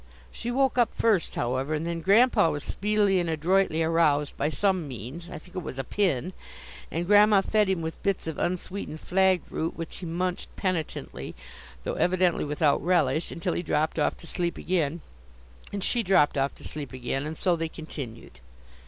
She woke up first, however, and then Grandpa was speedily and adroitly aroused by some means, I think it was a pin; and Grandma fed him with bits of unsweetened flag root, which he munched penitently, though evidently without relish, until he dropped off to sleep again, and she dropped off to sleep again, and so they continued.